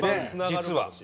実は。